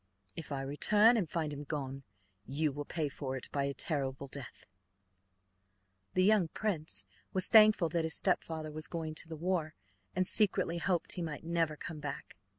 If I return and find him gone, you will pay for it by a terrible death." The young prince was thankful that his stepfather was going to the war, and secretly hoped he might never come back.